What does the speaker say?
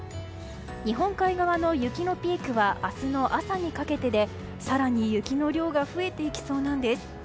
日本海側の雪のピークは明日の朝にかけてで更に雪の量が増えていきそうなんです。